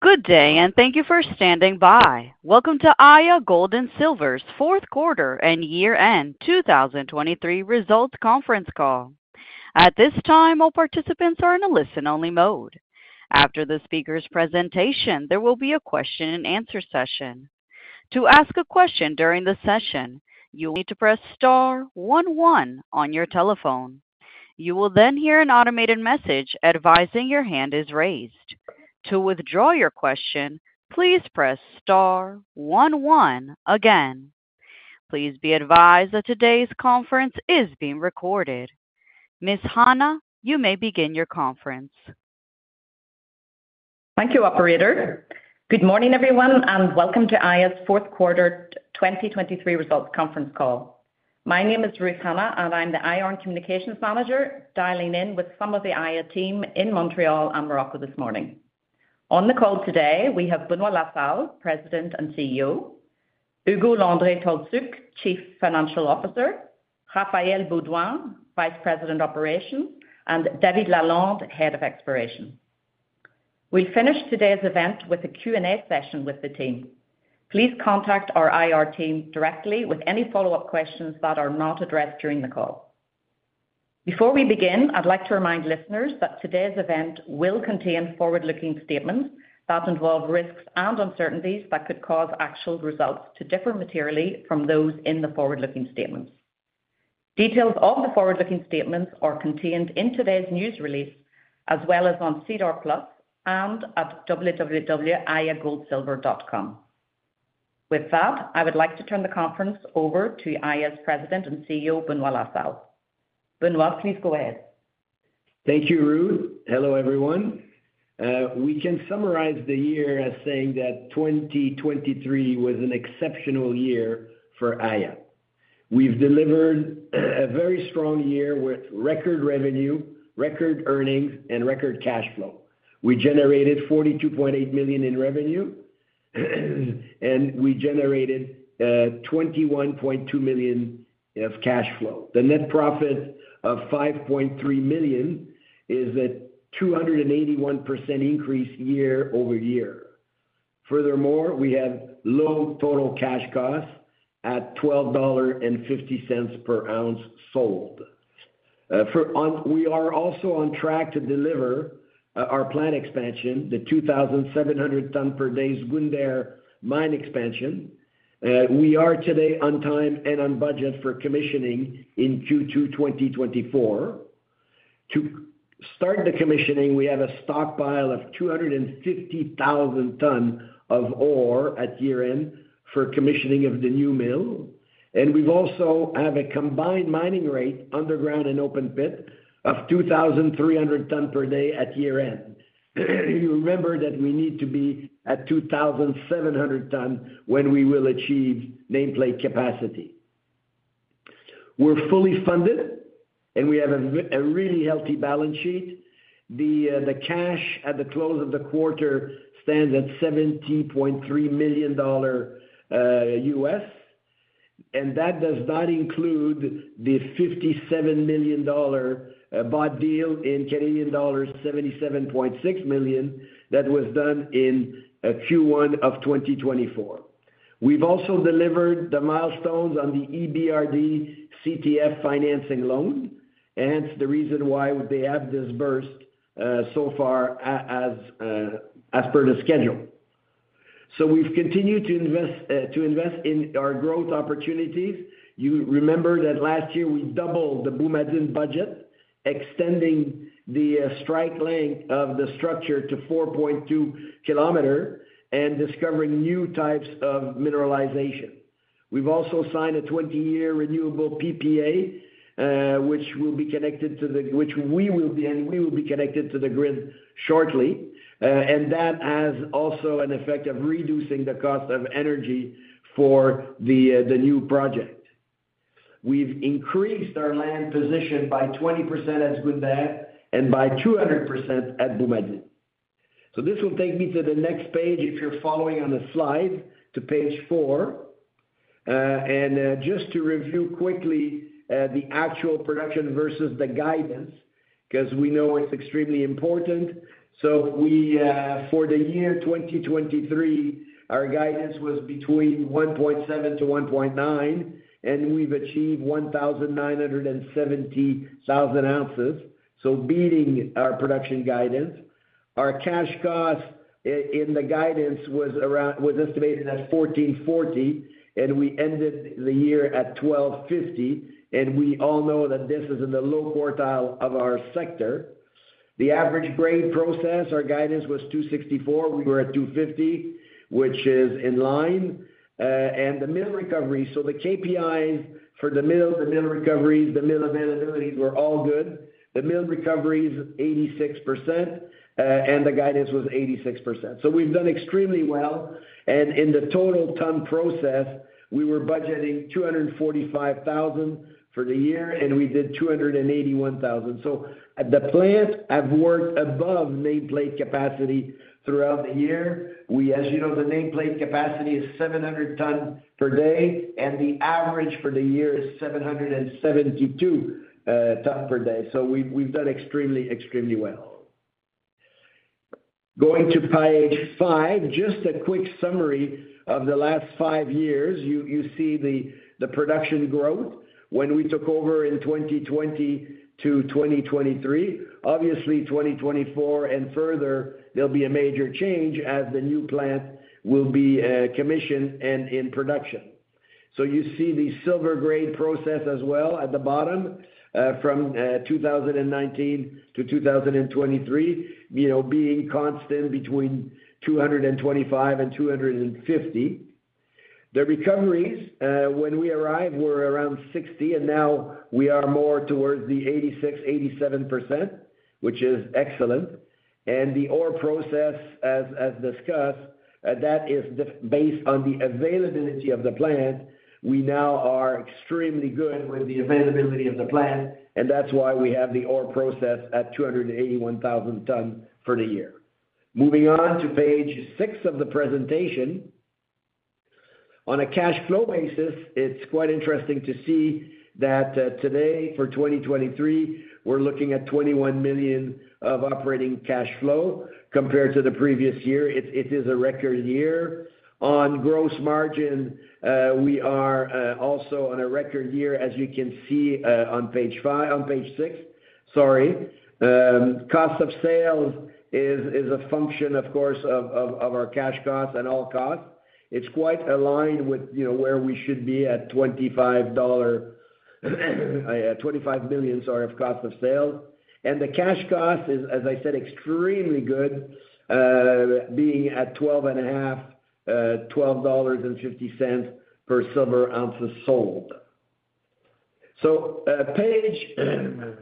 Good day, and thank you for standing by. Welcome to Aya Gold & Silver's fourth quarter and year-end 2023 results conference call. At this time, all participants are in a listen-only mode. After the speaker's presentation, there will be a question-and-answer session. To ask a question during the session, you will need to press star one one on your telephone. You will then hear an automated message advising your hand is raised. To withdraw your question, please press star one one again. Please be advised that today's conference is being recorded. Ms. Hanna, you may begin your conference. Thank you, operator. Good morning, everyone, and welcome to Aya's fourth quarter 2023 results conference call. My name is Ruth Hanna, and I'm the IR and Communications Manager, dialing in with some of the Aya team in Montreal and Morocco this morning. On the call today, we have Benoit La Salle, President and CEO; Ugo Landry-Tolszczuk, Chief Financial Officer; Raphaël Beaudoin, Vice President, Operations; and David Lalonde, Head of Exploration. We'll finish today's event with a Q&A session with the team. Please contact our IR team directly with any follow-up questions that are not addressed during the call. Before we begin, I'd like to remind listeners that today's event will contain forward-looking statements that involve risks and uncertainties that could cause actual results to differ materially from those in the forward-looking statements. Details of the forward-looking statements are contained in today's news release, as well as on SEDAR+ and at www.ayagoldsilver.com. With that, I would like to turn the conference over to Aya's President and CEO, Benoit La Salle. Benoit, please go ahead. Thank you, Ruth. Hello, everyone. We can summarize the year as saying that 2023 was an exceptional year for Aya. We've delivered a very strong year with record revenue, record earnings and record cash flow. We generated $42.8 million in revenue, and we generated $21.2 million of cash flow. The net profit of $5.3 million is a 281% increase year over year. Furthermore, we have low total cash costs at $12.50 per ounce sold. We are also on track to deliver our plant expansion, the 2,700 ton per day Zgounder mine expansion. We are today on time and on budget for commissioning in Q2 2024. To start the commissioning, we have a stockpile of 250,000 tons of ore at year-end for commissioning of the new mill, and we've also have a combined mining rate, underground and open pit, of 2,300 tons per day at year-end. You remember that we need to be at 2,700 tons when we will achieve nameplate capacity. We're fully funded, and we have a really healthy balance sheet. The cash at the close of the quarter stands at $70.3 million, and that does not include the $57 million bought deal in Canadian dollars, 77.6 million, that was done in Q1 of 2024. We've also delivered the milestones on the EBRD CTF financing loan, and it's the reason why they have disbursed so far as per the schedule. So we've continued to invest in our growth opportunities. You remember that last year we doubled the Boumadine budget, extending the strike length of the structure to 4.2 kilometer and discovering new types of mineralization. We've also signed a 20-year renewable PPA, which we will be connected to the grid shortly, and that has also an effect of reducing the cost of energy for the new project. We've increased our land position by 20% at Zgounder and by 200% at Boumadine. So this will take me to the next page, if you're following on the slide, to page four. And just to review quickly, the actual production versus the guidance, 'cause we know it's extremely important. So for the year 2023, our guidance was between 1.7 to 1.9, and we've achieved 1,970,000 ounces, so beating our production guidance. Our cash cost in the guidance was estimated at $14.40, and we ended the year at $12.50, and we all know that this is in the low quartile of our sector. The average grade process, our guidance was 264, we were at 250, which is in line, and the mill recovery. So the KPIs for the mill, the mill recoveries, the mill availabilities were all good. The mill recovery is 86%, and the guidance was 86%, so we've done extremely well. In the total ton process, we were budgeting 245,000 for the year, and we did 281,000. So the plants have worked above nameplate capacity throughout the year. We, as you know, the nameplate capacity is 700 ton per day, and the average for the year is 772 ton per day. So we've done extremely well. Going to page 5, just a quick summary of the last 5 years. You see the production growth when we took over in 2020 to 2023. Obviously, 2024 and further, there'll be a major change as the new plant will be commissioned and in production. So you see the silver grade process as well at the bottom, from 2019 to 2023, you know, being constant between 225 and 250. The recoveries, when we arrived, were around 60, and now we are more towards the 86% to 87%, which is excellent. And the ore process, as discussed, that is based on the availability of the plant. We now are extremely good with the availability of the plant, and that's why we have the ore process at 281,000 tonnes for the year. Moving on to page 6 of the presentation. On a cash flow basis, it's quite interesting to see that, today, for 2023, we're looking at $21 million of operating cash flow compared to the previous year. It is a record year. On gross margin, we are also on a record year, as you can see, on page 5 - on page 6, sorry. Cost of sales is a function, of course, of our cash costs and all costs. It's quite aligned with, you know, where we should be at $25 million of cost of sales. And the cash cost is, as I said, extremely good, being at 12.5, $12.50 per silver ounce of sold. So, page 7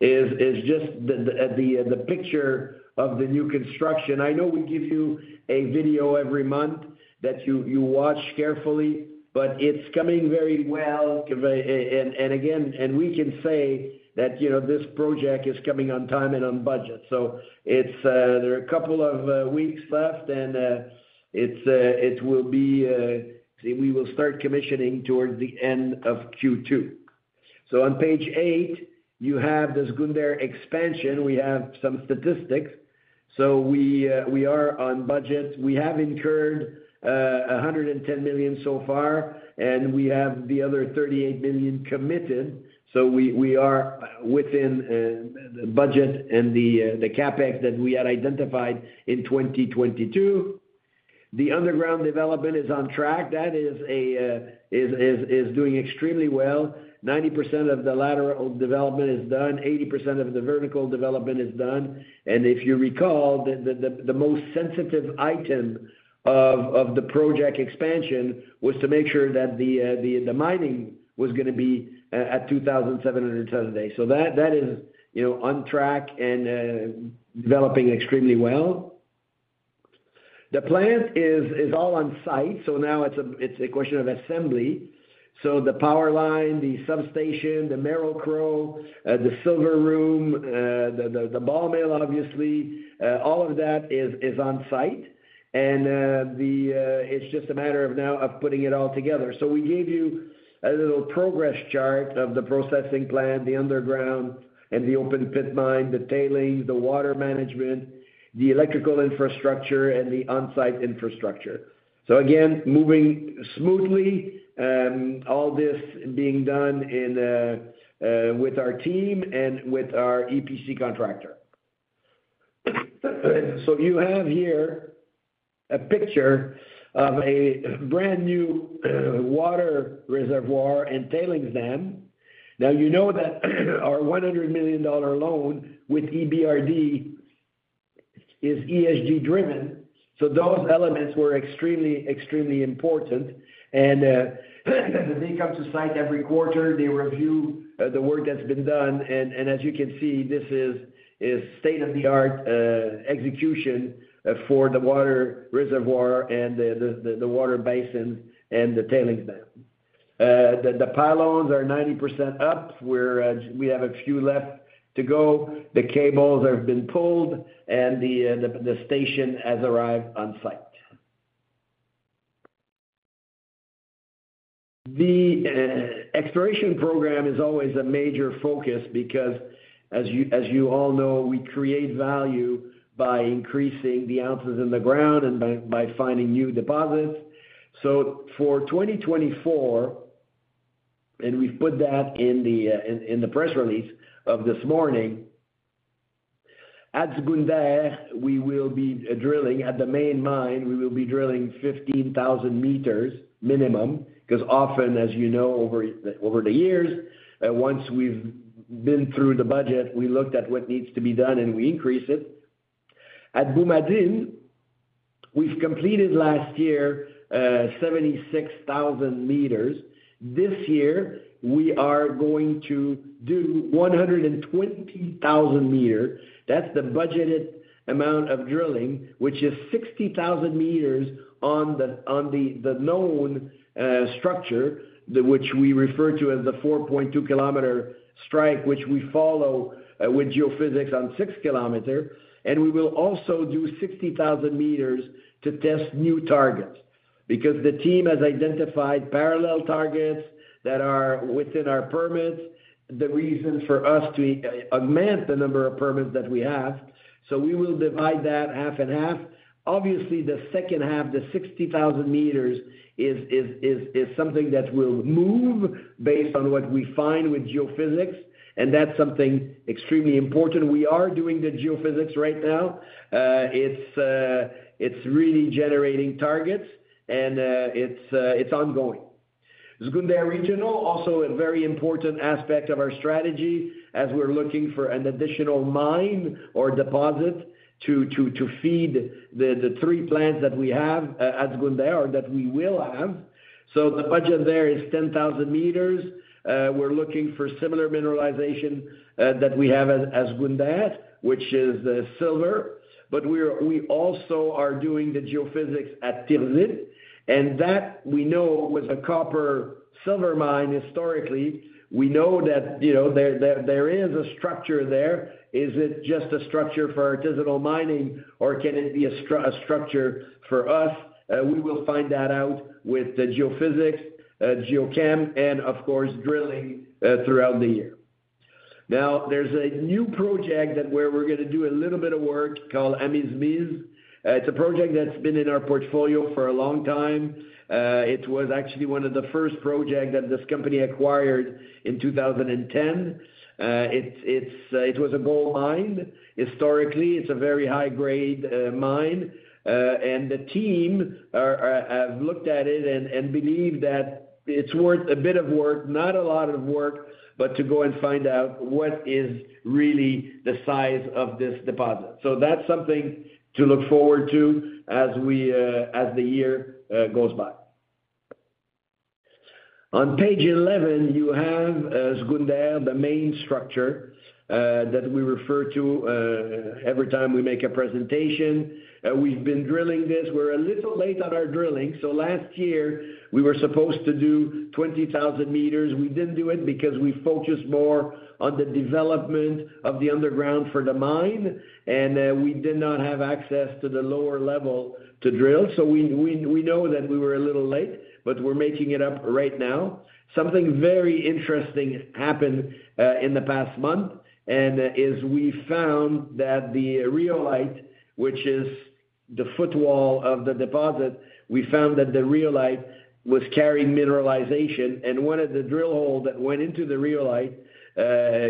is just the picture of the new construction. I know we give you a video every month that you watch carefully, but it's coming very well. Again, we can say that, you know, this project is coming on time and on budget. So, there are a couple of weeks left, and it will be... We will start commissioning towards the end of Q2. So on page 8, you have the Zgounder expansion. We have some statistics. So we are on budget. We have incurred $110 million so far, and we have the other $38 million committed, so we are within the budget and the CapEx that we had identified in 2022. The underground development is on track. That is doing extremely well. 90% of the lateral development is done, 80% of the vertical development is done, and if you recall, the most sensitive item of the project expansion was to make sure that the mining was gonna be at 2,700 tons a day. So that is, you know, on track and developing extremely well. The plant is all on site, so now it's a question of assembly. So the power line, the substation, the Merrill-Crowe, the silver room, the ball mill, obviously, all of that is on site. It's just a matter now of putting it all together. So we gave you a little progress chart of the processing plant, the underground and the open pit mine, the tailings, the water management, the electrical infrastructure, and the on-site infrastructure. So again, moving smoothly, all this being done in with our team and with our EPC contractor. So you have here a picture of a brand-new water reservoir and tailings dam. Now, you know that our $100 million loan with EBRD is ESG-driven, so those elements were extremely, extremely important. And they come to site every quarter, they review the work that's been done, and as you can see, this is state-of-the-art execution for the water reservoir and the water basin and the tailings dam. The pylons are 90% up. We're we have a few left to go. The cables have been pulled, and the station has arrived on site. The exploration program is always a major focus because, as you all know, we create value by increasing the ounces in the ground and by finding new deposits. So for 2024, and we've put that in the press release of this morning, at Zgounder, we will be drilling... At the main mine, we will be drilling 15,000 meters minimum, because often, as you know, over the years, once we've been through the budget, we looked at what needs to be done, and we increase it. At Boumadine, we've completed last year 76,000 meters. This year, we are going to do 120,000 meters. That's the budgeted amount of drilling, which is 60,000 meters on the known structure, which we refer to as the 4.2-kilometer strike, which we follow with geophysics on 6 kilometer, and we will also do 60,000 meters to test new targets. Because the team has identified parallel targets that are within our permits, the reason for us to augment the number of permits that we have, so we will divide that half and half. Obviously, the second half, the 60,000 meters, is something that will move based on what we find with geophysics, and that's something extremely important. We are doing the geophysics right now. It's really generating targets, and it's ongoing. Zgounder Regional, also a very important aspect of our strategy as we're looking for an additional mine or deposit to feed the three plants that we have at Zgounder, or that we will have. So the budget there is 10,000 meters. We're looking for similar mineralization that we have at Zgounder, which is silver. But we also are doing the geophysics at Tirzzit, and that we know was a copper-silver mine historically. We know that, you know, there is a structure there. Is it just a structure for artisanal mining, or can it be a structure for us? We will find that out with the geophysics, geochem and, of course, drilling throughout the year. Now, there's a new project that where we're gonna do a little bit of work called Amizmiz. It's a project that's been in our portfolio for a long time. It was actually one of the first project that this company acquired in 2010. It's, it was a gold mine. Historically, it's a very high-grade mine, and the team have looked at it and believe that it's worth a bit of work, not a lot of work, but to go and find out what is really the size of this deposit. So that's something to look forward to as we, as the year, goes by. On page 11, you have Zgounder, the main structure, that we refer to every time we make a presentation. We've been drilling this. We're a little late on our drilling, so last year, we were supposed to do 20,000 meters. We didn't do it because we focused more on the development of the underground for the mine, and we did not have access to the lower level to drill. We know that we were a little late, but we're making it up right now. Something very interesting happened in the past month, and we found that the rhyolite, which is the footwall of the deposit, was carrying mineralization, and one of the drill holes that went into the rhyolite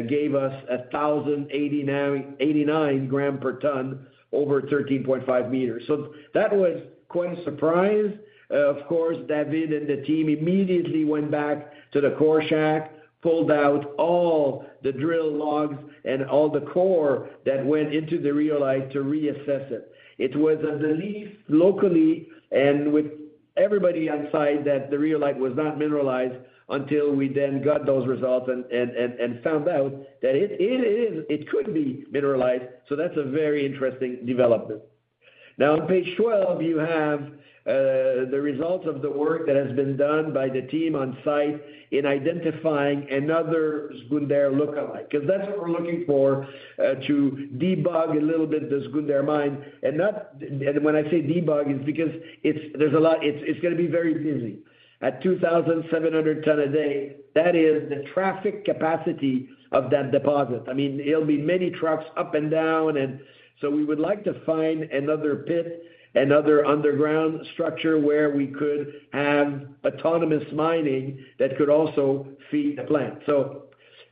gave us 1,089.89 grams per ton over 13.5 meters. So that was quite a surprise. Of course, David and the team immediately went back to the core shack, pulled out all the drill logs and all the core that went into the rhyolite to reassess it. It was, at least locally and with everybody on site, that the rhyolite was not mineralized until we then got those results and found out that it is- it could be mineralized. So that's a very interesting development. Now, on page 12, you have the results of the work that has been done by the team on site in identifying another Zgounder look-alike, because that's what we're looking for, to debug a little bit the Zgounder mine. And when I say debug, it's because it's- there's a lot- it's, it's gonna be very busy. At 2,700 tonnes per day, that is the traffic capacity of that deposit. I mean, it'll be many trucks up and down, and so we would like to find another pit, another underground structure where we could have autonomous mining that could also feed the plant. So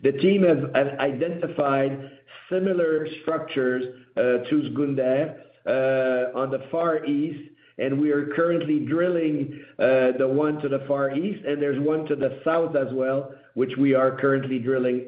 the team have identified similar structures to Zgounder on the far east, and we are currently drilling the one to the far east, and there's one to the south as well, which we are currently drilling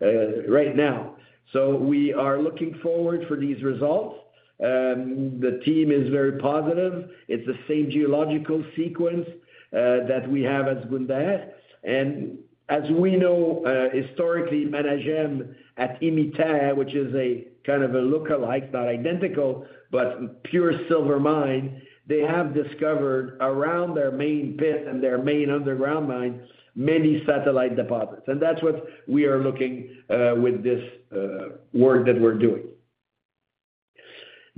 right now. So we are looking forward for these results. The team is very positive. It's the same geological sequence that we have at Zgounder. And as we know, historically, Managem at Imiter, which is a kind of a lookalike, not identical, but pure silver mine, they have discovered around their main pit and their main underground mine, many satellite deposits. That's what we are looking with this work that we're doing.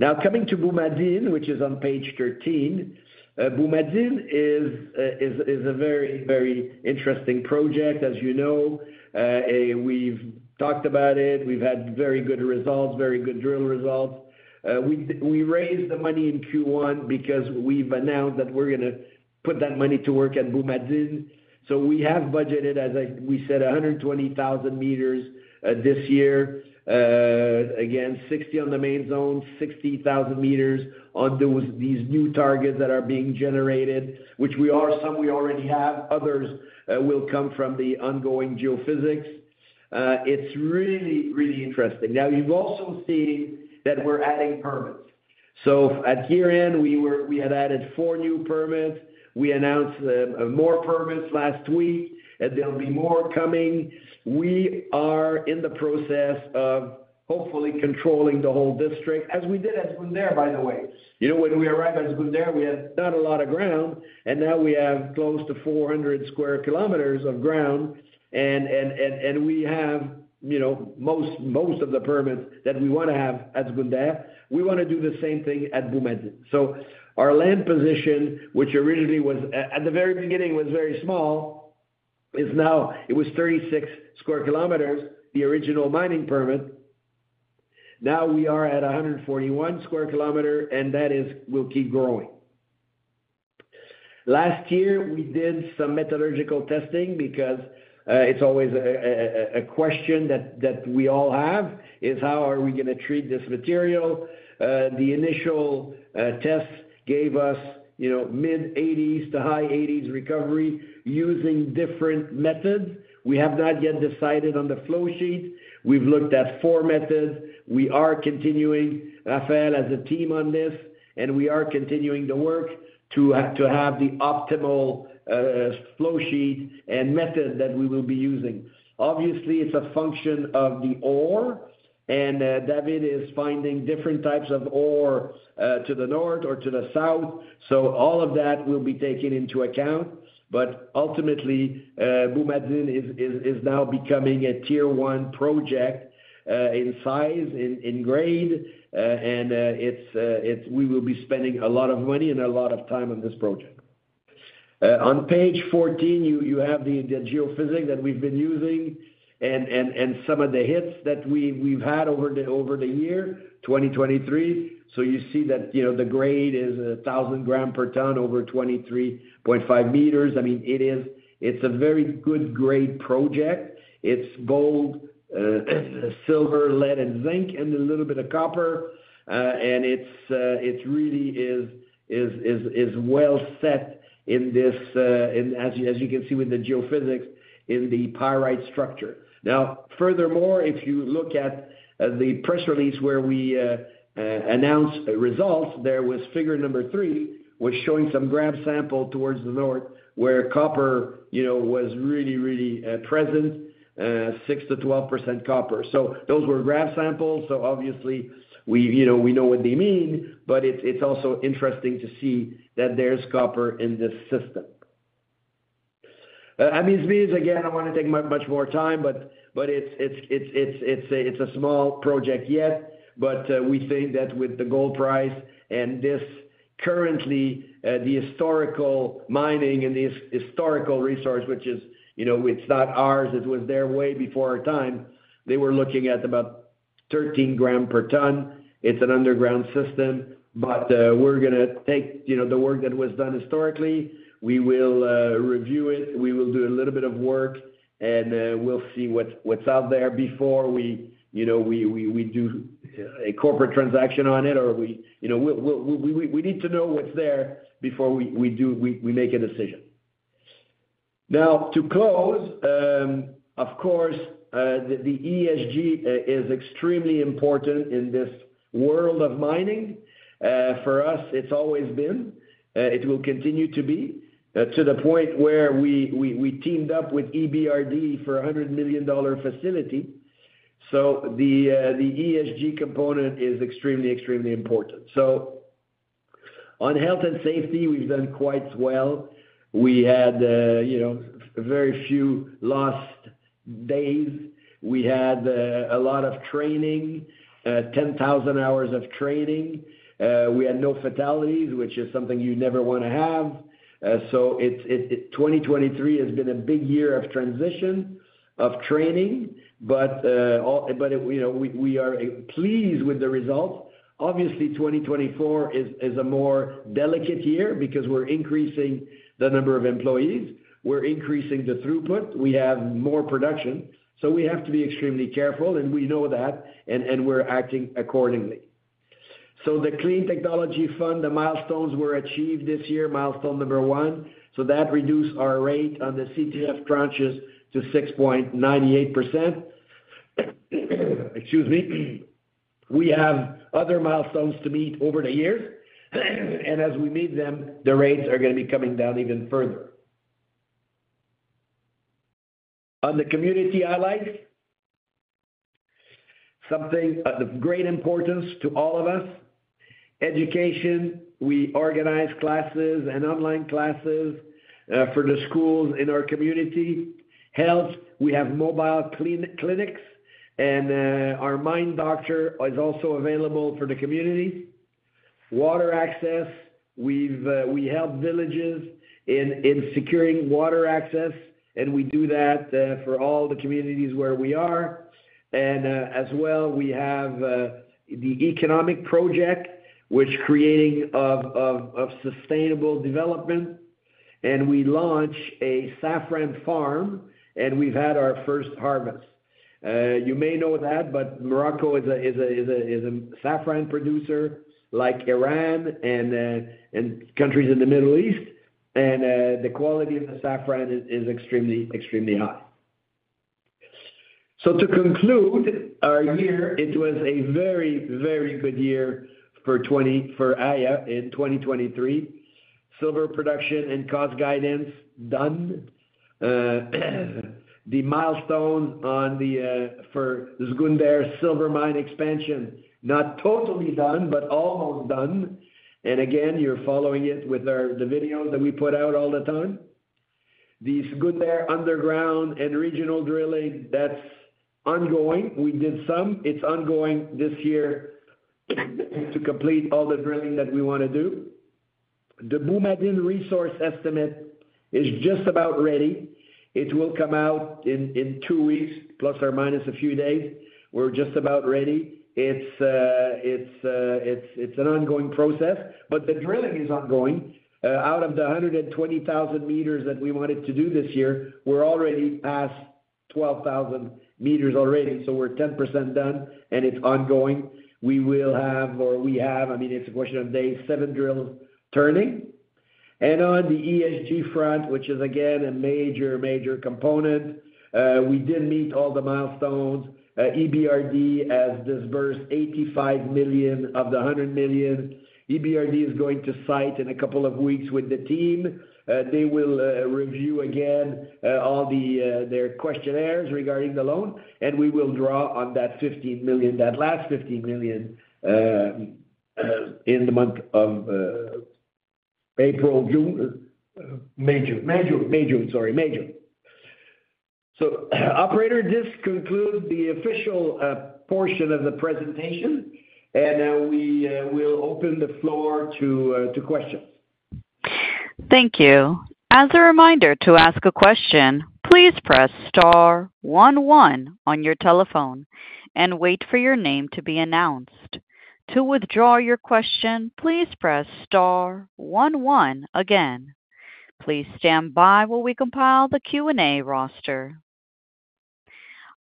Now, coming to Boumadine, which is on page 13. Boumadine is, is a very, very interesting project, as you know. We've talked about it. We've had very good results, very good drill results. We raised the money in Q1 because we've announced that we're gonna put that money to work at Boumadine. So we have budgeted, as we said, 120,000 meters this year. Again, 60 on the main zone, 60,000 meters on those, these new targets that are being generated, which we are- some we already have, others will come from the ongoing geophysics. It's really, really interesting. Now, you've also seen that we're adding permits. So at year-end, we had added 4 new permits. We announced more permits last week, and there'll be more coming. We are in the process of hopefully controlling the whole district, as we did at Zgounder, by the way. You know, when we arrived at Zgounder, we had not a lot of ground, and now we have close to 400 square kilometers of ground, and we have, you know, most of the permits that we want to have at Zgounder. We want to do the same thing at Boumadine. So our land position, which originally was at the very beginning, was very small... is now, it was 36 square kilometers, the original mining permit. Now we are at 141 square kilometer, and that is, will keep growing. Last year, we did some metallurgical testing because it's always a question that we all have, is how are we gonna treat this material? The initial tests gave us, you know, mid-80s to high 80s recovery using different methods. We have not yet decided on the flow sheet. We've looked at four methods. We are continuing, Raphaël, as a team on this, and we are continuing to work to have the optimal flow sheet and method that we will be using. Obviously, it's a function of the ore, and David is finding different types of ore to the north or to the south. So all of that will be taken into account, but ultimately, Boumadine is now becoming a Tier One project, in size, in grade, and it's, we will be spending a lot of money and a lot of time on this project. On page 14, you have the geophysics that we've been using and some of the hits that we've had over the year, 2023. So you see that, you know, the grade is 1,000 grams per ton over 23.5 meters. I mean, it is, it's a very good grade project. It's gold, silver, lead, and zinc, and a little bit of copper, and it's really well set in this, as you can see with the geophysics, in the pyrite structure. Now, furthermore, if you look at the press release where we announced the results, there was figure number 3, showing some grab sample towards the north, where copper, you know, was really, really present, 6% to 12% copper. So those were grab samples, so obviously, we, you know, we know what they mean, but it's also interesting to see that there's copper in this system. I mean, this means, again, I don't want to take much, much more time, but it's a small project yet, but we think that with the gold price and this currently, the historical mining and the historical resource, which is, you know, it's not ours, it was there way before our time, they were looking at about 13 gram per ton. It's an underground system, but we're gonna take, you know, the work that was done historically. We will review it, we will do a little bit of work, and we'll see what's out there before we, you know, we do a corporate transaction on it, or we, you know. We need to know what's there before we do, we make a decision. Now, to close, of course, the ESG is extremely important in this world of mining. For us, it's always been, it will continue to be, to the point where we teamed up with EBRD for a $100 million facility. So the ESG component is extremely, extremely important. So on health and safety, we've done quite well. We had, you know, very few lost days. We had a lot of training, 10,000 hours of training. We had no fatalities, which is something you never wanna have. So it's, 2023 has been a big year of transition, of training, but, you know, we are pleased with the results. Obviously, 2024 is, is a more delicate year because we're increasing the number of employees, we're increasing the throughput, we have more production, so we have to be extremely careful, and we know that, and we're acting accordingly. So the Clean Technology Fund, the milestones were achieved this year, milestone number 1, so that reduced our rate on the CTF tranches to 6.98%. Excuse me. We have other milestones to meet over the years, and as we meet them, the rates are gonna be coming down even further. On the community highlights, something of great importance to all of us. Education, we organize classes and online classes for the schools in our community. Health, we have mobile clinics, and our mine doctor is also available for the community. Water access, we've, we help villages in, in securing water access, and we do that, for all the communities where we are. And, as well, we have, the economic project, which creating of, of, of sustainable development, and we launch a saffron farm, and we've had our first harvest. You may know that, but Morocco is a, is a, is a, is a saffron producer, like Iran and, and countries in the Middle East, and, the quality of the saffron is, is extremely, extremely high. So to conclude our year, it was a very, very good year for 2023 for Aya in 2023. Silver production and cost guidance, done. The milestone on the, for Zgounder Silver Mine expansion, not totally done, but almost done. And again, you're following it with our, the videos that we put out all the time. The Zgounder underground and regional drilling, that's ongoing. We did some. It's ongoing this year, to complete all the drilling that we wanna do. The Boumadine resource estimate is just about ready. It will come out in two weeks, ± a few days. We're just about ready. It's an ongoing process, but the drilling is ongoing. Out of the 120,000 meters that we wanted to do this year, we're already past 12,000 meters already, so we're 10% done, and it's ongoing. We will have or we have, I mean, it's a question of days, 7 drills turning. And on the ESG front, which is, again, a major, major component, we did meet all the milestones. EBRD has disbursed $85 million of the $100 million. EBRD is going to site in a couple of weeks with the team. They will review again all their questionnaires regarding the loan, and we will draw on that $15 million, that last $15 million, in the month of April, June, May, June. May, June. May, June, sorry, May, June. So, operator, this concludes the official portion of the presentation, and we will open the floor to questions. Thank you. As a reminder, to ask a question, please press star one one on your telephone and wait for your name to be announced. To withdraw your question, please press star one one again. Please stand by while we compile the Q&A roster.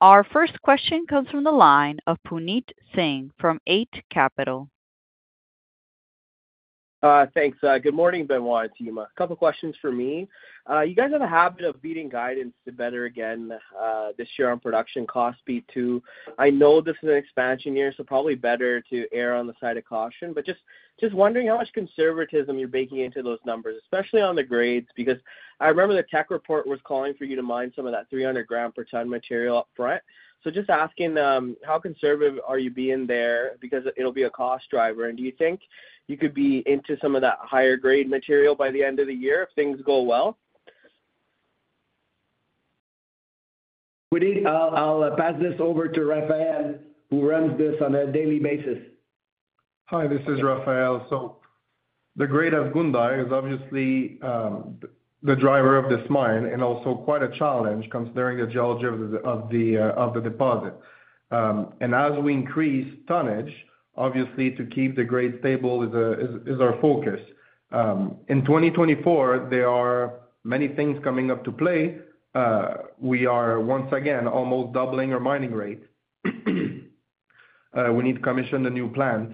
Our first question comes from the line of Puneet Singh from Eight Capital. Thanks. Good morning, Benoit and team. A couple questions for me. You guys have a habit of beating guidance to better again, this year on production cost speed, too. I know this is an expansion year, so probably better to err on the side of caution, but just, just wondering how much conservatism you're baking into those numbers, especially on the grades, because I remember the tech report was calling for you to mine some of that 300 gram per ton material up front. So just asking, how conservative are you being there? Because it'll be a cost driver. And do you think you could be into some of that higher grade material by the end of the year if things go well? Puneet, I'll pass this over to Raphaël, who runs this on a daily basis. Hi, this is Raphaël. So the grade of Zgounder is obviously the driver of this mine and also quite a challenge considering the geology of the deposit. And as we increase tonnage, obviously, to keep the grade stable is our focus. In 2024, there are many things coming up to play. We are, once again, almost doubling our mining rate. We need to commission the new plant,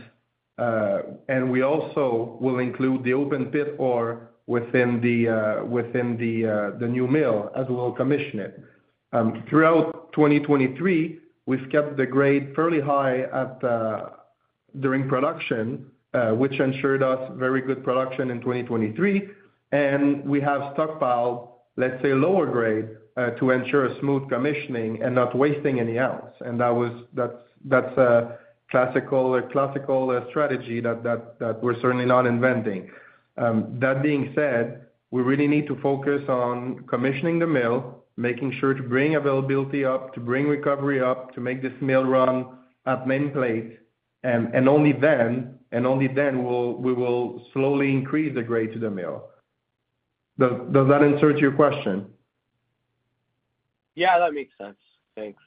and we also will include the open pit ore within the new mill, as we'll commission it. Throughout 2023, we've kept the grade fairly high during production, which ensured us very good production in 2023, and we have stockpiled, let's say, lower grade, to ensure a smooth commissioning and not wasting any ounce. That's a classical strategy that we're certainly not inventing. That being said, we really need to focus on commissioning the mill, making sure to bring availability up, to bring recovery up, to make this mill run at nameplate, and only then, we will slowly increase the grade to the mill. Does that answer your question? Yeah, that makes sense. Thanks.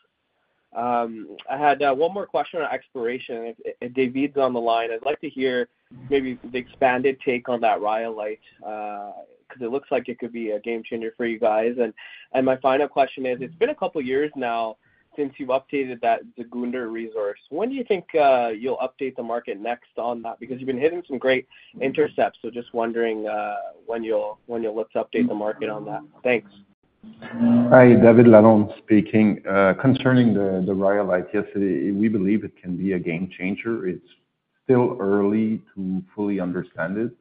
I had one more question on exploration. If, if David's on the line, I'd like to hear maybe the expanded take on that rhyolite because it looks like it could be a game changer for you guys. And, and my final question is, it's been a couple of years now since you've updated that the Zgounder resource. When do you think you'll update the market next on that? Because you've been hitting some great intercepts, so just wondering when you'll, when you'll look to update the market on that. Thanks. Uh. Hi, David Lalonde speaking. Concerning the rhyolite, yes, we believe it can be a game changer. It's still early to fully understand it,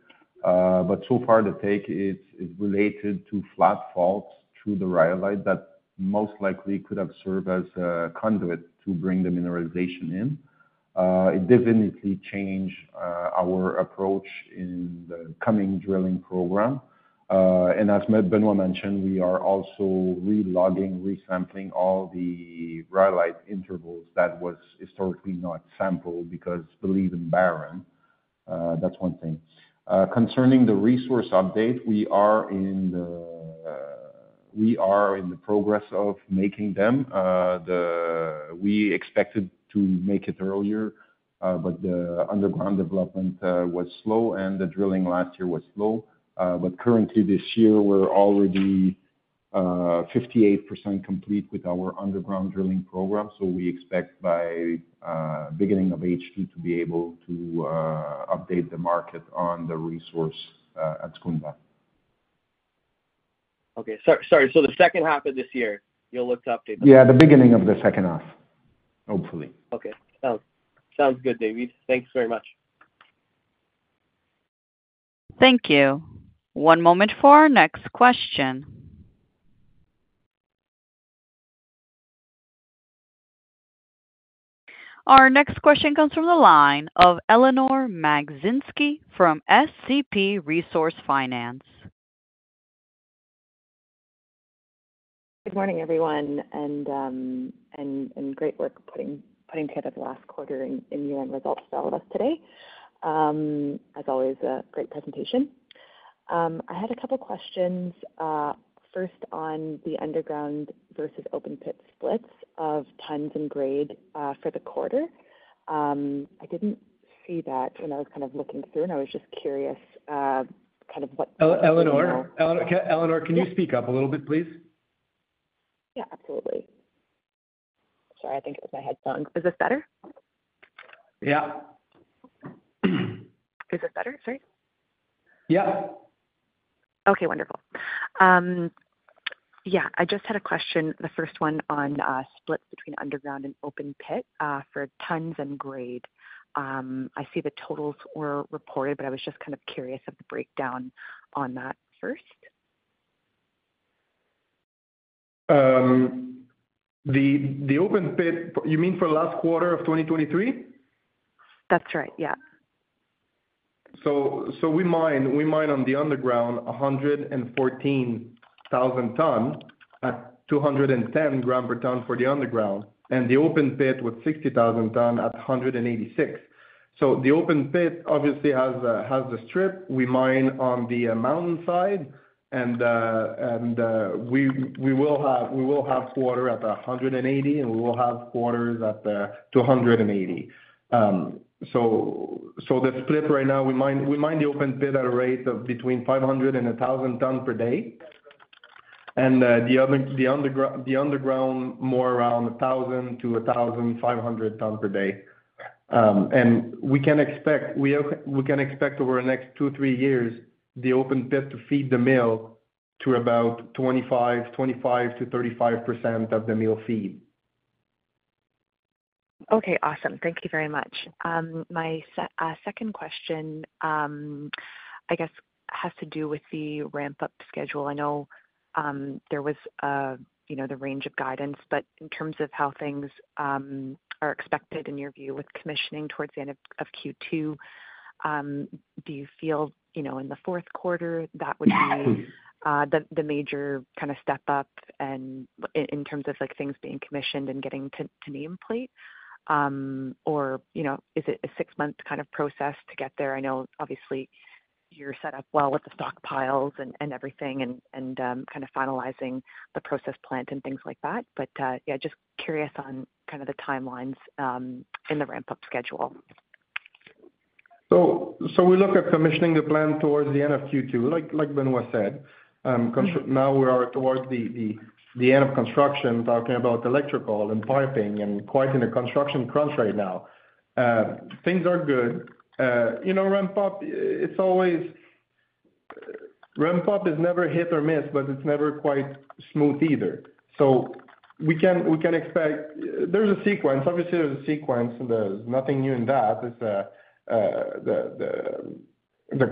but so far the take is related to flat faults through the rhyolite that most likely could have served as a conduit to bring the mineralization in. It definitely change our approach in the coming drilling program. And as Benoit mentioned, we are also re-logging, resampling all the rhyolite intervals that was historically not sampled because believed to be barren. That's one thing. Concerning the resource update, we are in the progress of making them. We expected to make it earlier, but the underground development was slow, and the drilling last year was slow. Currently this year, we're already 58% complete with our underground drilling program, so we expect by beginning of H2 to be able to update the market on the resource at Zgounder. Okay. Sorry, so the second half of this year, you'll look to update the market? Yeah, the beginning of the second half, hopefully. Okay. Sounds good, David. Thanks very much. Thank you. One moment for our next question. Our next question comes from the line of Eleanor Magdzinski from SCP Resource Finance.... Good morning, everyone, and great work putting together the last quarter and year-end results for all of us today. As always, a great presentation. I had a couple questions, first on the underground versus open pit splits of tons and grade for the quarter. I didn't see that when I was kind of looking through, and I was just curious, kind of what- Eleanor, Eleanor, Eleanor, can you speak up a little bit, please? Yeah, absolutely. Sorry, I think it was my headphones. Is this better? Yeah. Is this better? Sorry. Yep. Okay, wonderful. Yeah, I just had a question, the first one on splits between underground and open pit, for tons and grade. I see the totals were reported, but I was just kind of curious of the breakdown on that first. The open pit, you mean for last quarter of 2023? That's right, yeah. So we mine on the underground 114,000 ton at 210 gram per ton for the underground, and the open pit with 60,000 ton at 186. So the open pit obviously has a strip. We mine on the mountainside, and we will have quarter at 180, and we will have quarters at 280. So the split right now, we mine the open pit at a rate of between 500 and 1,000 ton per day. And the underground, more around 1,000 to 1,500 ton per day. We can expect over the next 2-3 years, the open pit to feed the mill to about 25%-35% of the mill feed. Okay, awesome. Thank you very much. My second question, I guess has to do with the ramp-up schedule. I know, there was, you know, the range of guidance, but in terms of how things, are expected in your view with commissioning towards the end of Q2, do you feel, you know, in the fourth quarter, that would be, the, the major kind of step up and in terms of like things being commissioned and getting to, to nameplate? Or, you know, is it a six-month kind of process to get there? I know obviously you're set up well with the stockpiles and, and everything and, and, kind of finalizing the process plant and things like that. But, yeah, just curious on kind of the timelines, in the ramp-up schedule. So we look at commissioning the plant towards the end of Q2, like Benoit said. Now we are towards the end of construction, talking about electrical and piping and quite in a construction crunch right now. Things are good. You know, ramp-up, it's always... Ramp-up is never hit or miss, but it's never quite smooth either. So we can expect. There's a sequence. Obviously, there's a sequence, and there's nothing new in that. It's the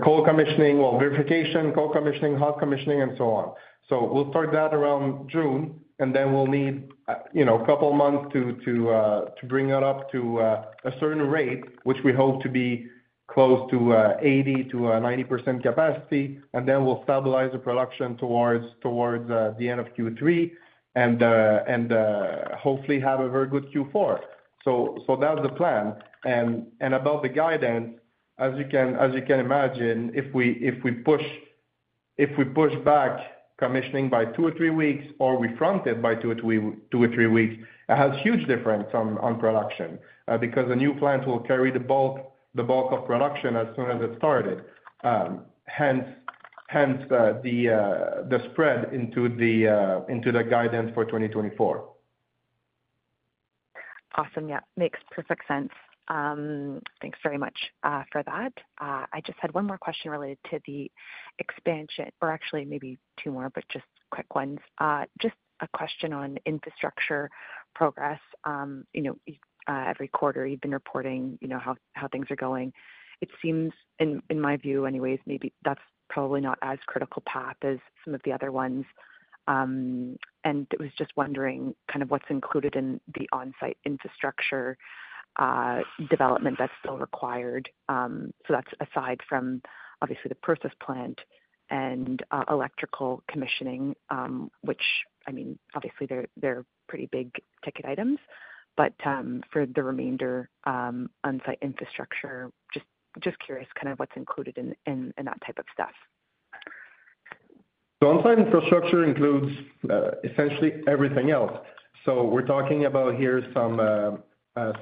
cold commissioning or verification, cold commissioning, hot commissioning, and so on. So we'll start that around June, and then we'll need, you know, a couple of months to bring that up to a certain rate, which we hope to be close to 80%-90% capacity, and then we'll stabilize the production towards the end of Q3 and hopefully have a very good Q4. So that's the plan. And about the guidance, as you can imagine, if we push back commissioning by two or three weeks, or we front it by two or three weeks, it has huge difference on production because the new plant will carry the bulk of production as soon as it started. Hence, the spread into the guidance for 2024. Awesome. Yeah, makes perfect sense. Thanks very much for that. I just had one more question related to the expansion, or actually maybe two more, but just quick ones. Just a question on infrastructure progress. You know, every quarter you've been reporting, you know, how things are going. It seems, in my view anyways, maybe that's probably not as critical path as some of the other ones. And was just wondering, kind of what's included in the on-site infrastructure development that's still required. So that's aside from, obviously, the process plant and electrical commissioning, which, I mean, obviously, they're pretty big-ticket items, but for the remainder, on-site infrastructure, just curious, kind of what's included in that type of stuff. The on-site infrastructure includes essentially everything else. So we're talking about here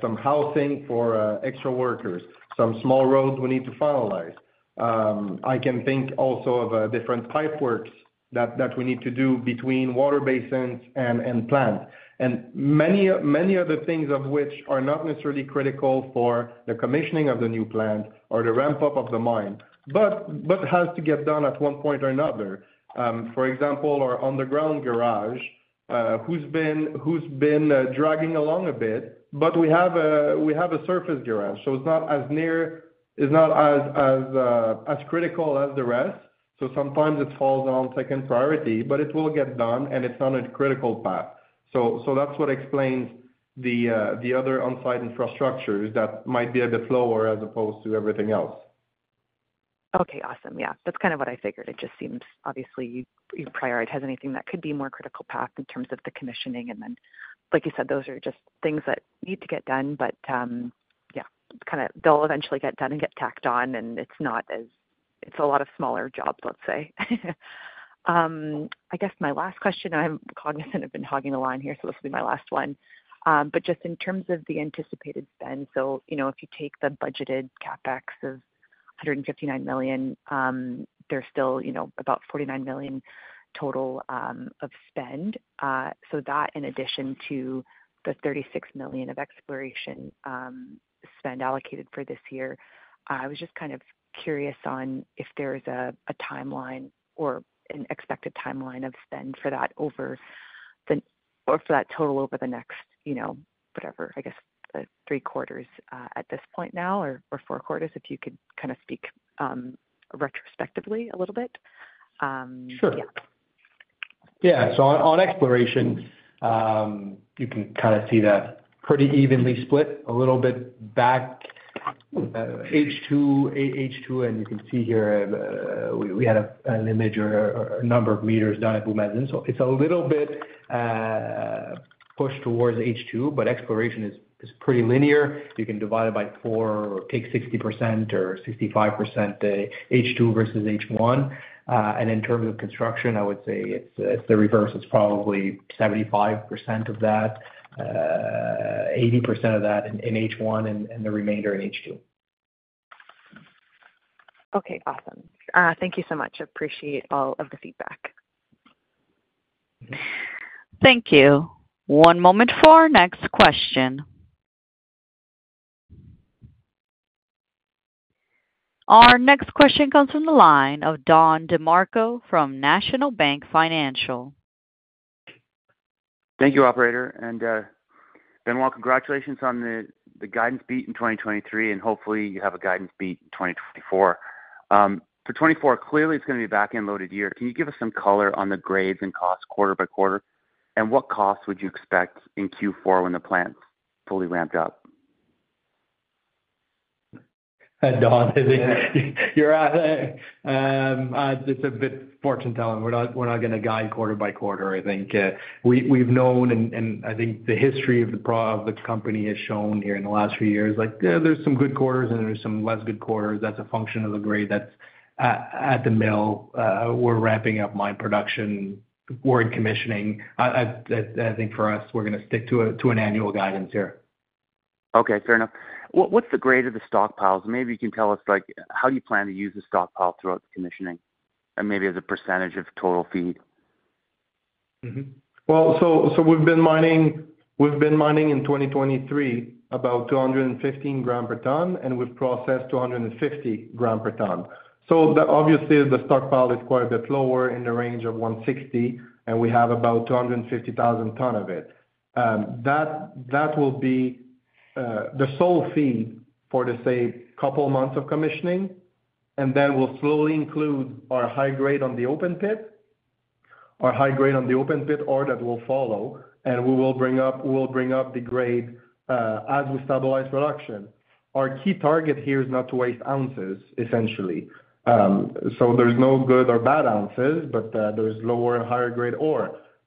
some housing for extra workers, some small roads we need to finalize. I can think also of different pipe works that we need to do between water basins and plant, and many other things of which are not necessarily critical for the commissioning of the new plant or the ramp-up of the mine, but has to get done at one point or another. For example, our underground garage, who's been dragging along a bit, but we have a surface garage, so it's not as near, it's not as critical as the rest. So sometimes it falls on second priority, but it will get done, and it's on a critical path. So, that's what explains the other on-site infrastructures that might be a bit slower as opposed to everything else.... Okay, awesome. Yeah, that's kind of what I figured. It just seems obviously you, you prioritize anything that could be more critical path in terms of the commissioning, and then, like you said, those are just things that need to get done. But, yeah, kind of they'll eventually get done and get tacked on, and it's not as-- it's a lot of smaller jobs, let's say. I guess my last question, I'm cognizant I've been hogging the line here, so this will be my last one. But just in terms of the anticipated spend, so, you know, if you take the budgeted CapEx of $159 million, there's still, you know, about $49 million total of spend. So that in addition to the $36 million of exploration spend allocated for this year, I was just kind of curious on if there is a, a timeline or an expected timeline of spend for that over the-- or for that total over the next, you know, whatever, I guess the three quarters, at this point now, or, or four quarters, if you could kind of speak, retrospectively a little bit. Sure. Yeah. So on exploration, you can kind of see that pretty evenly split, a little bit back, H2, and you can see here, we had an image or a number of meters done at Boumadine. So it's a little bit pushed towards H2, but exploration is pretty linear. You can divide it by four or take 60% or 65%, H2 versus H1. And in terms of construction, I would say it's the reverse. It's probably 75% of that, 80% of that in H1 and the remainder in H2. Okay, awesome. Thank you so much. Appreciate all of the feedback. Thank you. One moment for our next question. Our next question comes from the line of Don DeMarco from National Bank Financial. Thank you, operator. And, Benoit, congratulations on the guidance beat in 2023, and hopefully you have a guidance beat in 2024. For 2024, clearly, it's gonna be a back-end loaded year. Can you give us some color on the grades and costs quarter by quarter? And what costs would you expect in Q4 when the plant's fully ramped up? Hi, Don. It's a bit fortune telling. We're not, we're not gonna guide quarter by quarter, I think. We've known, and I think the history of the production of the company has shown here in the last few years, like, there's some good quarters and there's some less good quarters. That's a function of the grade that's at the mill. We're ramping up mine production. We're in commissioning. I think for us, we're gonna stick to an annual guidance here. Okay, fair enough. What, what's the grade of the stockpiles? Maybe you can tell us, like, how you plan to use the stockpile throughout the commissioning and maybe as a percentage of total feed. Mm-hmm. Well, we've been mining in 2023, about 215 grams per tonne, and we've processed 250 grams per tonne. So the, obviously the stockpile is quite a bit lower in the range of 160, and we have about 250,000 tonnes of it. That will be the sole feed for the, say, couple months of commissioning, and then we'll slowly include our high grade on the open pit, our high grade on the open pit, or that will follow, and we will bring up, we'll bring up the grade as we stabilize production. Our key target here is not to waste ounces, essentially. So there's no good or bad ounces, but there is lower and higher grade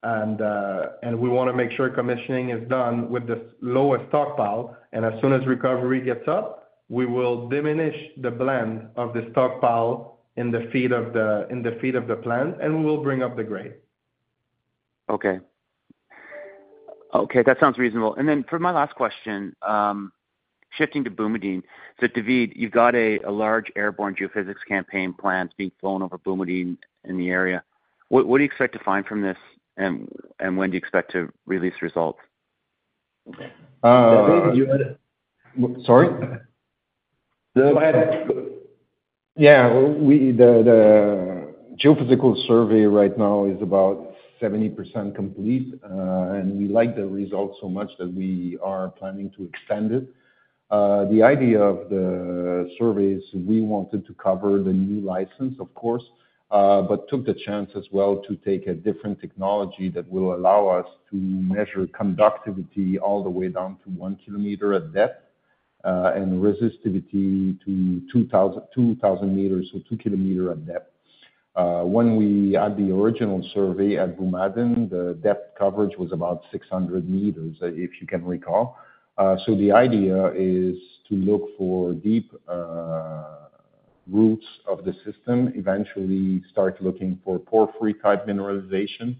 ore. We want to make sure commissioning is done with the lowest stockpile, and as soon as recovery gets up, we will diminish the blend of the stockpile in the feed of the plant, and we will bring up the grade. Okay. Okay, that sounds reasonable. And then for my last question, shifting to Boumadine. So David, you've got a large airborne geophysics campaign planned, being flown over Boumadine in the area. What do you expect to find from this, and when do you expect to release results? Uh- Sorry? Yeah, the geophysical survey right now is about 70% complete, and we like the results so much that we are planning to extend it. The idea of the survey is we wanted to cover the new license, of course, but took the chance as well to take a different technology that will allow us to measure conductivity all the way down to 1 kilometer at depth, and resistivity to 2,000 meters, so 2 kilometers at depth. When we had the original survey at Boumadine, the depth coverage was about 600 meters, if you can recall. So the idea is to look for deep routes of the system, eventually start looking for porphyry-type mineralization,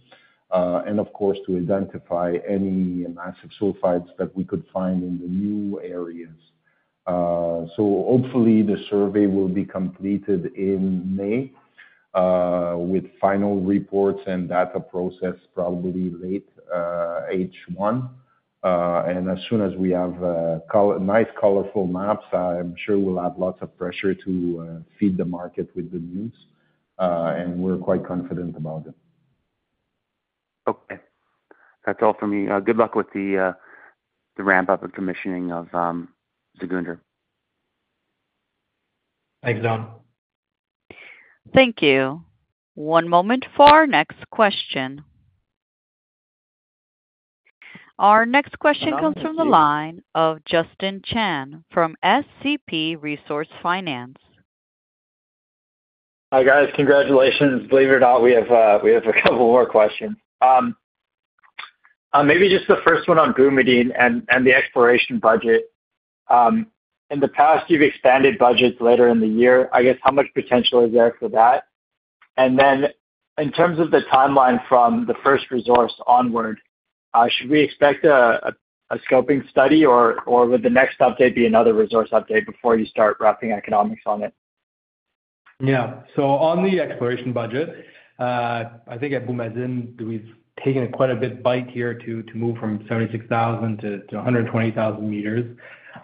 and of course, to identify any massive sulfides that we could find in the new areas. So hopefully the survey will be completed in May, with final reports and data processing probably late H1. And as soon as we have nice colorful maps, I'm sure we'll have lots of pressure to feed the market with good news, and we're quite confident about it. Okay. That's all for me. Good luck with the ramp up and commissioning of Zgounder. Thanks, Don. Thank you. One moment for our next question... Our next question comes from the line of Justin Chan from SCP Resource Finance. Hi, guys. Congratulations! Believe it or not, we have, we have a couple more questions. Maybe just the first one on Boumadine and, and the exploration budget. In the past, you've expanded budgets later in the year. I guess, how much potential is there for that? And then in terms of the timeline from the first resource onward, should we expect a, a, a scoping study, or, or would the next update be another resource update before you start wrapping economics on it? Yeah. So on the exploration budget, I think at Boumadine, we've taken quite a big bite here to move from 76,000 to 120,000 meters.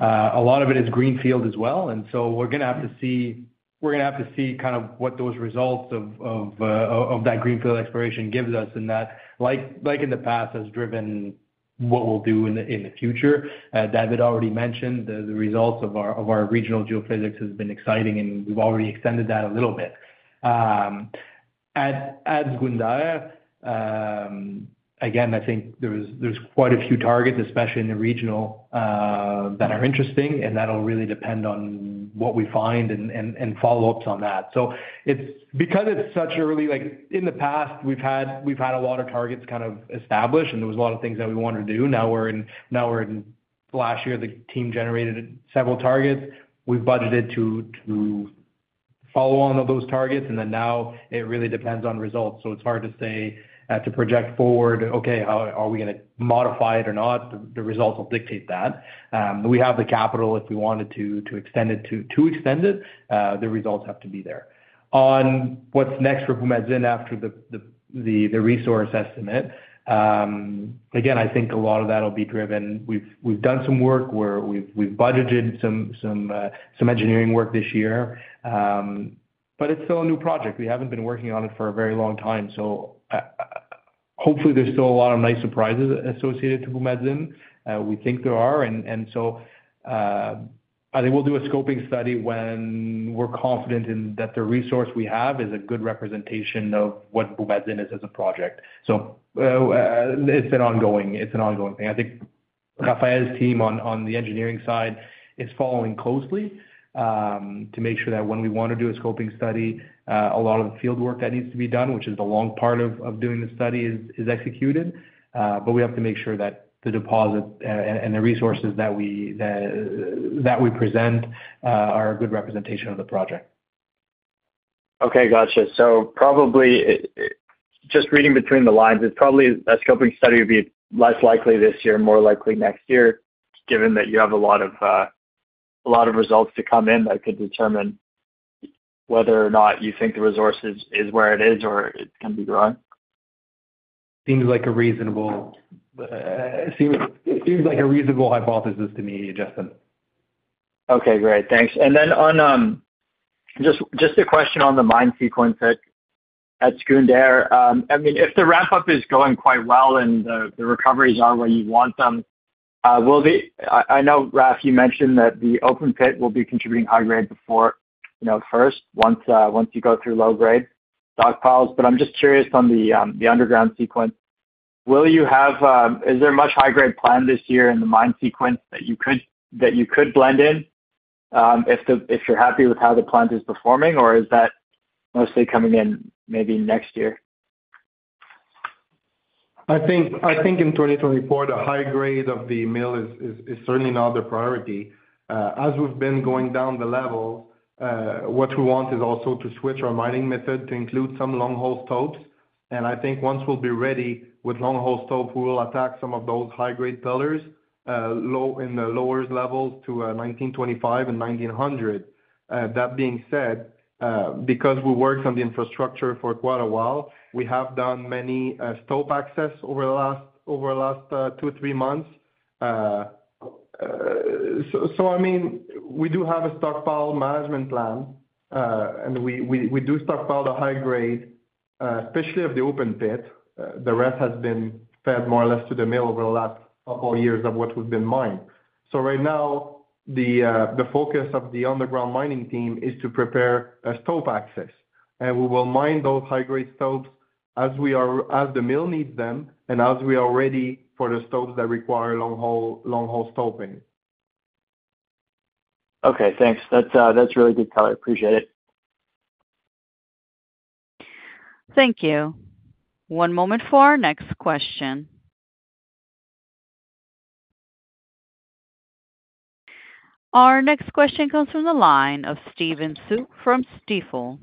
A lot of it is greenfield as well, and so we're gonna have to see-- we're gonna have to see kind of what those results of that greenfield exploration gives us, and that, like, like in the past, has driven what we'll do in the future. David already mentioned the results of our regional geophysics has been exciting, and we've already extended that a little bit. At Zgounder, again, I think there's quite a few targets, especially in the regional, that are interesting, and that'll really depend on what we find and follow-ups on that. So it's-- because it's such an early... Like, in the past, we've had, we've had a lot of targets kind of established, and there was a lot of things that we wanted to do. Now we're in, now we're in, last year, the team generated several targets. We've budgeted to, to follow on of those targets, and then now it really depends on results. So it's hard to say, to project forward, "Okay, how are we gonna modify it or not?" The results will dictate that. We have the capital if we wanted to, to extend it. To extend it, the results have to be there. On what's next for Boumadine after the resource estimate, again, I think a lot of that will be driven. We've done some work where we've budgeted some engineering work this year, but it's still a new project. We haven't been working on it for a very long time, so hopefully, there's still a lot of nice surprises associated to Boumadine. We think there are, and so I think we'll do a scoping study when we're confident in that the resource we have is a good representation of what Boumadine is as a project. So it's an ongoing thing. I think Raphaël's team on the engineering side is following closely, to make sure that when we want to do a scoping study, a lot of the field work that needs to be done, which is the long part of doing the study, is executed. But we have to make sure that the deposit and the resources that we, that we present, are a good representation of the project. Okay, gotcha. So probably, just reading between the lines, it's probably a scoping study would be less likely this year, more likely next year, given that you have a lot of, a lot of results to come in that could determine whether or not you think the resources is where it is or it can be grown. It seems like a reasonable hypothesis to me, Justin. Okay, great. Thanks. And then on, just a question on the mine sequence at Zgounder. I mean, if the ramp-up is going quite well and the recoveries are where you want them, will the... I know, Raph, you mentioned that the open pit will be contributing high grade before, you know, first, once you go through low grade stockpiles. But I'm just curious on the underground sequence. Will you have, is there much high grade planned this year in the mine sequence that you could, that you could blend in, if you're happy with how the plant is performing, or is that mostly coming in maybe next year? I think in 2024, the high-grade of the mill is certainly not the priority. As we've been going down the level, what we want is also to switch our mining method to include some long-hole stopes. And I think once we'll be ready with long-hole stope, we will attack some of those high-grade pillars, low in the lower levels to 1925 and 1900. That being said, because we worked on the infrastructure for quite a while, we have done many stope access over the last 2-3 months. So, I mean, we do have a stockpile management plan, and we do stockpile the high-grade, especially of the open pit. The rest has been fed more or less to the mill over the last couple years of what we've been mining. Right now, the focus of the underground mining team is to prepare a stope access, and we will mine those high-grade stopes as we are, as the mill needs them and as we are ready for the stopes that require long hole, long hole stoping. Okay, thanks. That's, that's really good color. I appreciate it. Thank you. One moment for our next question. Our next question comes from the line of Stephen Soock from Stifel.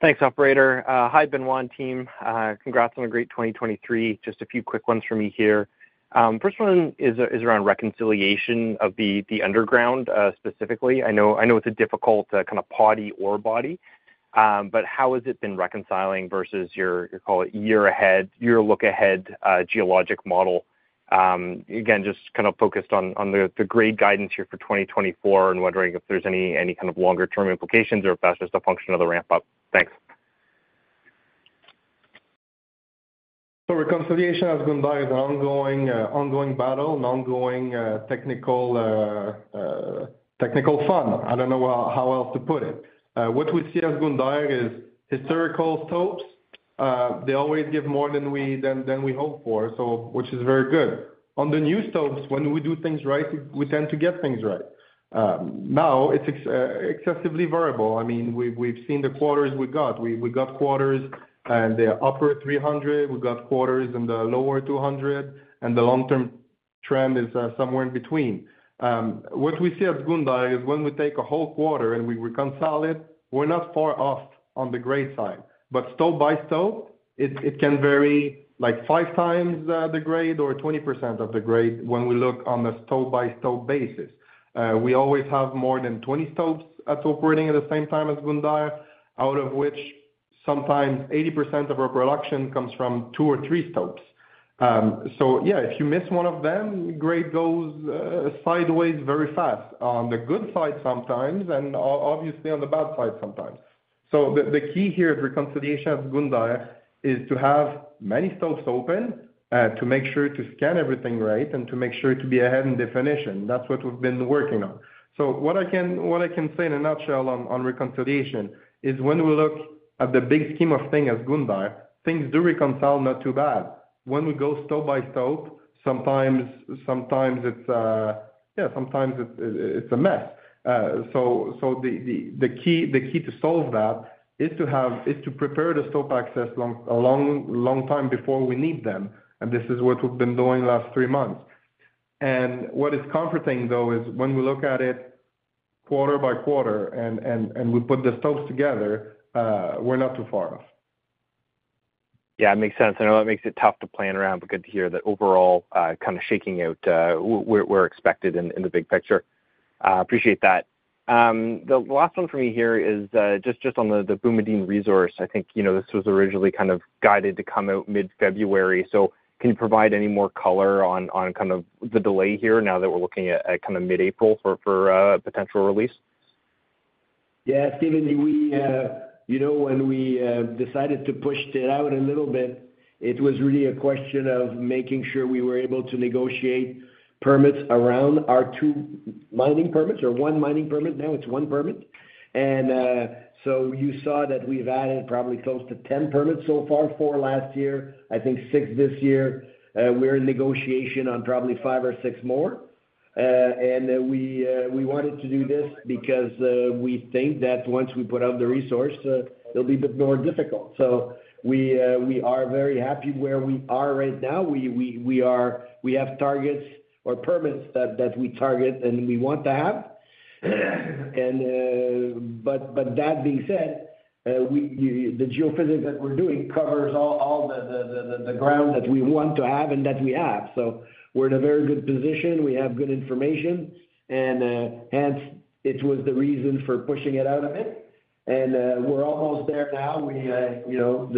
Thanks, operator. Hi, Benoit team. Congrats on a great 2023. Just a few quick ones for me here. First one is around reconciliation of the, the underground, specifically. I know, I know it's a difficult, kind of poddy ore body, but how has it been reconciling versus your, you call it, year ahead, year look ahead, geologic model? Again, just kind of focused on, on the, the grade guidance here for 2024, and wondering if there's any, any kind of longer-term implications or if that's just a function of the ramp-up. Thanks. So reconciliation at Zgounder is an ongoing battle, an ongoing technical fun. I don't know how else to put it. What we see at Zgounder is historical stopes. They always give more than we hope for, so which is very good. On the new stopes, when we do things right, we tend to get things right. Now it's excessively variable. I mean, we've seen the quarters we got. We got quarters, and they are upper 300, we got quarters in the lower 200, and the long-term trend is somewhere in between. What we see at Zgounder is when we take a whole quarter and we reconcile it, we're not far off on the grade side. But stope by stope, it can vary like 5 times the grade or 20% of the grade when we look on a stope-by-stope basis. We always have more than 20 stopes that's operating at the same time as Zgounder, out of which sometimes 80% of our production comes from 2 or 3 stopes. So yeah, if you miss one of them, grade goes sideways very fast. On the good side sometimes, and obviously on the bad side sometimes. So the key here of reconciliation of Zgounder is to have many stopes open, to make sure to scan everything right, and to make sure to be ahead in definition. That's what we've been working on. So what I can say in a nutshell on reconciliation is when we look at the big scheme of things at Zgounder, things do reconcile not too bad. When we go stope-by-stope, sometimes it's, yeah, sometimes it's a mess. So the key to solve that is to prepare the stope access long, a long time before we need them, and this is what we've been doing the last three months. And what is comforting, though, is when we look at it quarter by quarter and we put the stopes together, we're not too far off. Yeah, it makes sense. I know it makes it tough to plan around, but good to hear that overall, kind of shaking out, where we're expected in the big picture. Appreciate that. The last one for me here is, just on the Boumadine resource. I think, you know, this was originally kind of guided to come out mid-February, so can you provide any more color on, kind of the delay here now that we're looking at, kind of mid-April for, potential release? Yeah, Stephen, we, you know, when we decided to push it out a little bit, it was really a question of making sure we were able to negotiate permits around our two mining permits or one mining permit. Now it's one permit. And, so you saw that we've added probably close to 10 permits so far, 4 last year, I think 6 this year. We're in negotiation on probably 5 or 6 more. And, we wanted to do this because, we think that once we put out the resource, it'll be a bit more difficult. So we are very happy where we are right now. We have targets or permits that we target and we want to have. And, but that being said, we, you... The geophysics that we're doing covers all the ground that we want to have and that we have. So we're in a very good position. We have good information, and hence, it was the reason for pushing it out a bit. And we're almost there now. We, you know,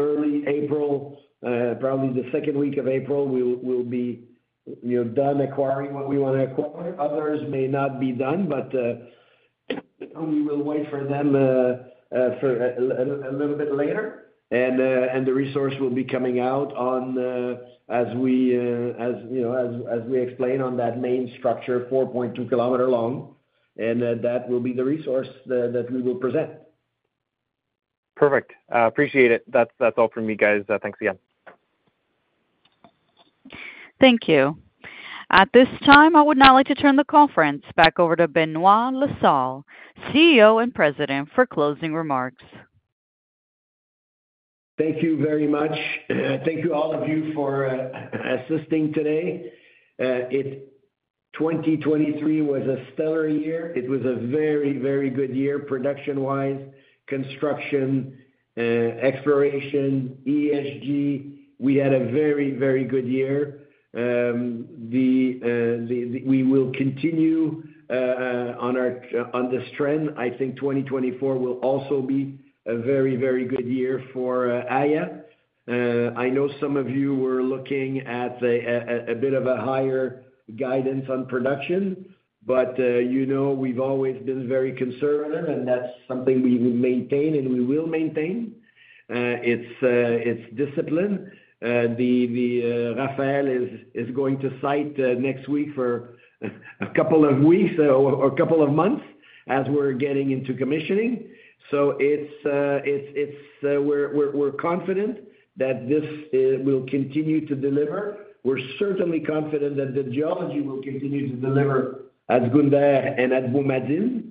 early April, probably the second week of April, we'll be done acquiring what we want to acquire. Others may not be done, but we will wait for them for a little bit later. And the resource will be coming out on, as we, you know, as we explain on that main structure, 4.2 kilometer long, and that will be the resource that we will present. Perfect. Appreciate it. That's, that's all for me, guys. Thanks again. Thank you. At this time, I would now like to turn the conference back over to Benoit La Salle, CEO and President, for closing remarks. Thank you very much. Thank you, all of you, for assisting today. 2023 was a stellar year. It was a very, very good year production-wise, construction, exploration, ESG. We had a very, very good year. We will continue on our, on this trend. I think 2024 will also be a very, very good year for Aya. I know some of you were looking at a bit of a higher guidance on production, but you know, we've always been very conservative, and that's something we maintain and we will maintain. It's discipline. Raphaël is going to site next week for a couple of weeks or a couple of months, as we're getting into commissioning. So, we're confident that this will continue to deliver. We're certainly confident that the geology will continue to deliver at Zgounder and at Boumadine.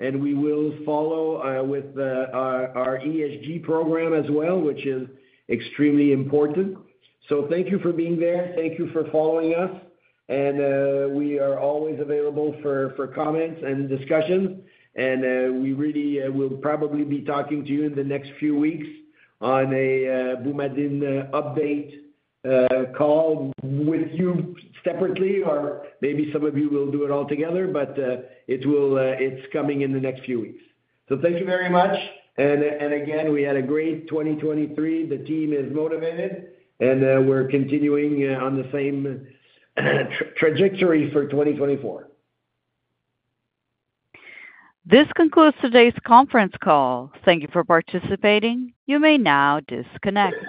And we will follow with our ESG program as well, which is extremely important. So thank you for being there. Thank you for following us, and we are always available for comments and discussion. And we really will probably be talking to you in the next few weeks on a Boumadine update call with you separately, or maybe some of you will do it all together, but it's coming in the next few weeks. So thank you very much. And again, we had a great 2023. The team is motivated, and we're continuing on the same trajectory for 2024. This concludes today's conference call. Thank you for participating. You may now disconnect.